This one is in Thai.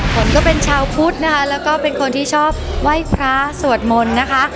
ผมก็เป็นชาวพุทธนะครับแล้วก็เป็นคนที่เล่าไว้พระสวดมลนะคะ